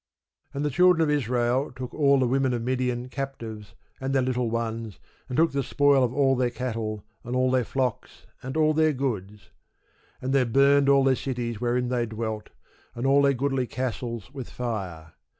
And the children of Israel took all the women of Midian captives, and their little ones, and took the spoil of all their cattle, and all their flocks, and all their goods. And they burnt all their cities wherein they dwelt, and all their goodly castles, with fire.